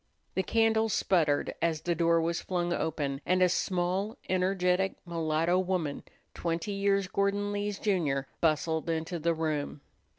The candle sputtered as the door was flung open, and a small, energetic mulatto woman, twenty years Gordon Lee's junior, bustled into the room.